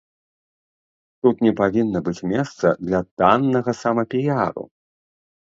Тут не павінна быць месца для таннага самапіяру.